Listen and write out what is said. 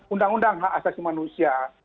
undang undang hak asasi manusia